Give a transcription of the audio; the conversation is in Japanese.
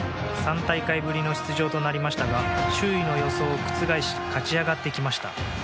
３大会ぶりの出場となりましたが周囲の予想を覆し勝ち上がってきました。